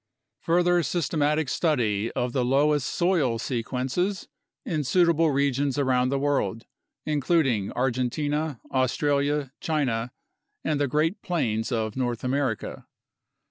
Further systematic study of the loess soil sequences in suitable regions around the world, including Argentina, Australia, China, and the Great Plains of North America.